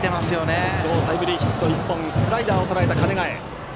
打席には今日、タイムリーヒット１本スライダーをとらえた鐘ヶ江。